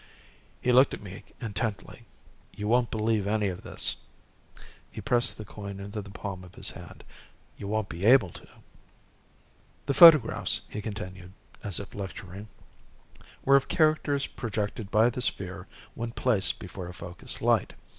_He looked at me intently. "You won't believe any of this." He pressed the coin into the palm of his hand. "You won't be able to."_ "The photographs," he continued, as if lecturing, "were of characters projected by the sphere when placed before a focused light.